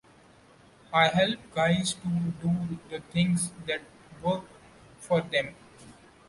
I help guys to do the things that work for them.